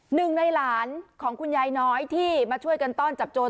หนึ่งในหลานของคุณยายน้อยที่มาช่วยกันต้อนจับโจร